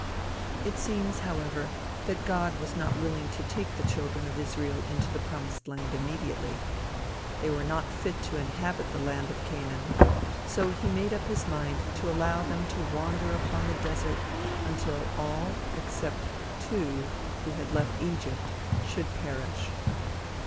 It seems, however, that God was not willing to take the children of Israel into the promised land immediately. They were not fit to inhabit the land of Canaan; so he made up his mind to allow them to wander upon the desert until all except two, who had left Egypt, should perish.